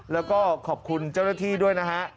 แล้วก็ขอบคุณเจ้าหน้าที่ด้วยนะฮะ